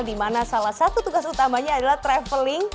di mana salah satu tugas utamanya adalah traveling